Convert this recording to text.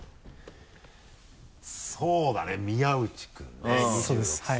そうだね宮内君ね２６歳。